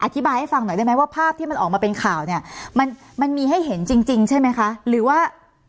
อธิบายให้ฟังหน่อยได้ไหมว่าภาพที่มันออกมาเป็นข่าวเนี่ยมันมันมีให้เห็นจริงจริงใช่ไหมคะหรือว่า